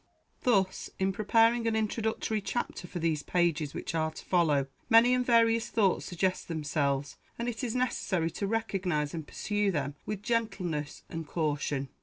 Thus, in preparing an introductory chapter for these pages which are to follow, many and various thoughts suggest themselves, and it is necessary to recognize and pursue them with gentleness and caution.